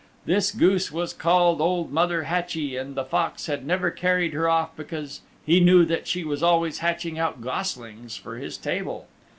This goose was called Old Mother Hatchie and the Fox had never carried her off because he knew she was always hatching out goslings for his table.